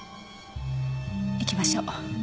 行きましょう。